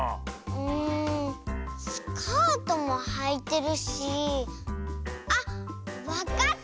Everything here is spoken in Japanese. んスカートもはいてるしあっわかった！